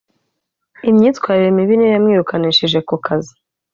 imyitwarire mibi niyo yamwirukanishije kukazi